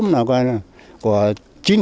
rác này là của thị trấn